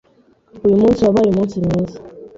Uyu munsi wabaye umunsi mwiza.